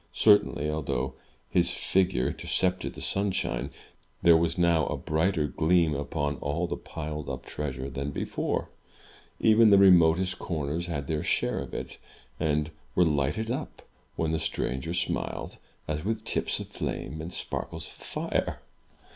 Certainly, although his figure intercepted the sunshine, there was now a brighter 275 MY BOOK HOUSE gleam upon all the piled up treasure than before. Even the remotest comers had their share of it, and were lighted up, when the stranger smiled, as with tips of flame and sparkles of fire.